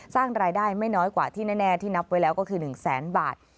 สร้างรายได้ไม่น้อยกว่าที่แน่ที่นับไว้แล้วก็คือ๑แสนบาท